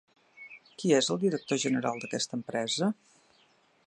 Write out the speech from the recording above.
Qui és el director general d'aquesta empresa?